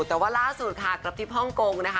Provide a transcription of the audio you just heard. แต่ว่าล่าสุดค่ะกระติ๊บฮ่องกงนะคะ